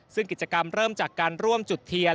ซึ่งกิจกรรมเริ่มจากการร่วมจุดเทียน